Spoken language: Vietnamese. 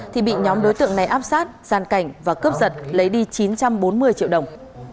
thì bị nhóm đối tượng này áp sát gian cảnh và cướp giật lấy đi chín trăm bốn mươi triệu đồng